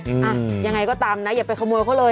อ่ะยังไงก็ตามนะอย่าไปขโมยเขาเลย